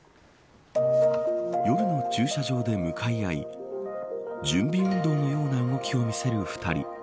夜の駐車場で向かい合い準備運動のような動きを見せる２人。